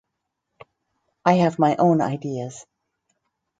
I have my own ideas.